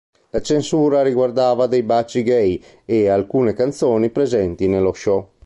La censura riguardava dei baci gay e alcune canzoni presenti nello show.